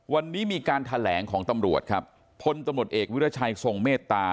วันนี้มีการแถลงของตำรวจครับพลตำรวจเอกวิรัชัยทรงเมตตา